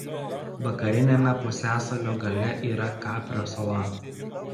Vakariniame pusiasalio gale yra Kaprio sala.